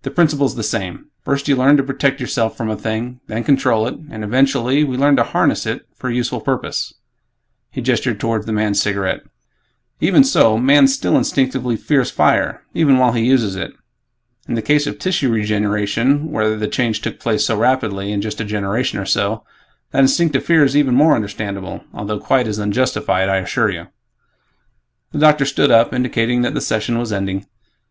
The principle's the same; First you learn to protect yourself from a thing; then control it; and, eventually, we learn to 'harness' it for a useful purpose." He gestured toward the man's cigarette, "Even so, man still instinctively fears fire even while he uses it. In the case of tissue regeneration, where the change took place so rapidly, in just a generation or so, that instinctive fear is even more understandable although quite as unjustified, I assure you." The doctor stood up, indicating that the session was ending.